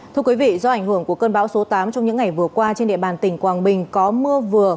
thưa quý vị do ảnh hưởng của cơn bão số tám trong những ngày vừa qua trên địa bàn tỉnh quảng bình có mưa vừa